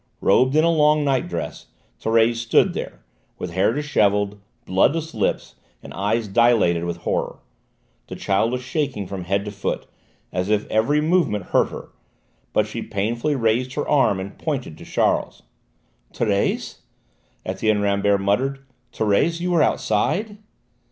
Robed in a long night dress, Thérèse stood there, with hair dishevelled, bloodless lips, and eyes dilated with horror; the child was shaking from head to foot; as if every movement hurt her, she painfully raised her arm and pointed to Charles. "Thérèse!" Etienne Rambert muttered: "Thérèse, you were outside?"